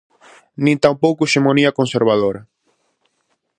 Nin tampouco hexemonía conservadora.